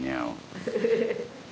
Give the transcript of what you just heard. フフフフ。